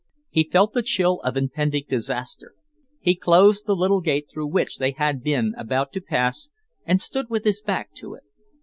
He felt the chill of impending disaster. He closed the little gate through which they had been about to pass, and stood with his back to it.